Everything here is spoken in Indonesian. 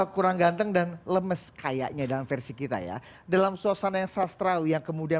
kurang ganteng dan lemes kayaknya dalam versi kita ya dalam suasana yang sastra yang kemudian